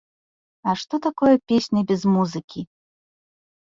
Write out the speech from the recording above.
А што такое песня без музыкі?